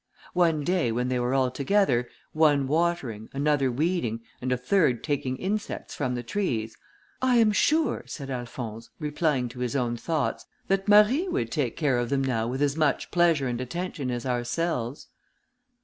One day when they were all together, one watering, another weeding, and a third taking insects from the trees: "I am sure," said Alphonse, replying to his own thoughts, "that Marie would take care of them now with as much pleasure and attention as ourselves."